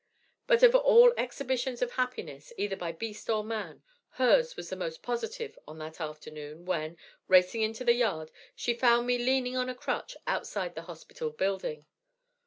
"But of all exhibitions of happiness, either by beast or man, hers was the most positive on that afternoon when, racing into the yard, she found me leaning on a crutch outside the hospital building.